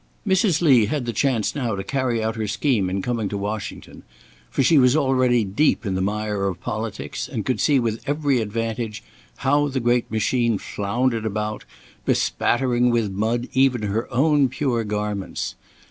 Mrs. Lee had the chance now to carry out her scheme in coming to Washington, for she was already deep in the mire of politics and could see with every advantage how the great machine floundered about, bespattering with mud even her own pure garments.